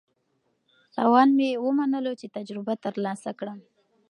تاوان مې ومنلو چې تجربه ترلاسه کړم.